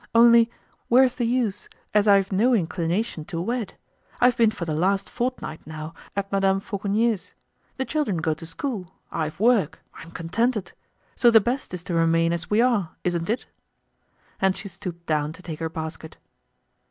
Only, where's the use, as I've no inclination to wed? I've been for the last fortnight, now, at Madame Fauconnier's. The children go to school. I've work, I'm contented. So the best is to remain as we are, isn't it?" And she stooped down to take her basket.